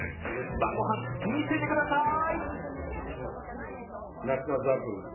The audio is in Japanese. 晩ご飯、見せてください！